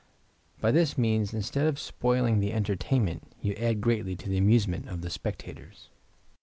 By this means, instead of spoiling the entertainment, you add greatly to the amusement of the spectators.